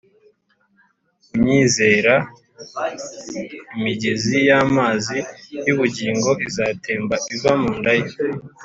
Unyizera, imigezi y'amazi y'ubugingo izatemba iva mu nda ye,